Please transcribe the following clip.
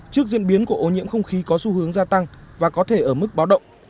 trước diễn biến của ô nhiễm không khí có xu hướng gia tăng và có thể ở mức báo động